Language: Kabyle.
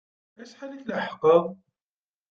Acḥal i tleḥqeḍ?